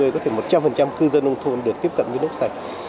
có thể một trăm linh cư dân nông thôn được tiếp cận với nước sạch